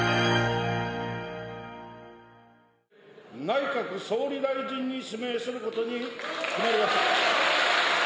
内閣総理大臣に指名することに決まりました。